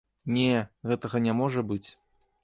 Не, гэтага не можа быць.